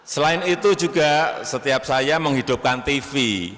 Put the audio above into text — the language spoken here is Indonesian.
selain itu juga setiap saya menghidupkan tv